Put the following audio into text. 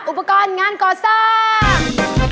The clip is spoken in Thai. อุปกรณ์งานก่อสร้าง